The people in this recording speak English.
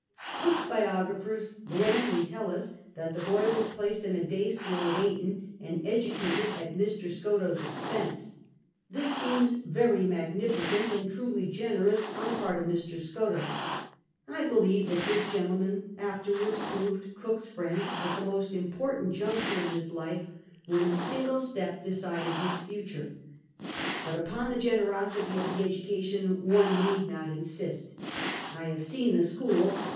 Cook's biogmphers grandly tell us that the boy was placed ill a day school at Ayton, and educated at Mr, Skottowe's ex 2 )ense. This seems very magnificent and truly generous on the part of Mr. Skottowe. I believe tliat tills gentleman afterwards proved Cook's friend at the most important juncture in his life, when a single step decided his future. But upon the generosity of the education one need not insist. I have seen the school.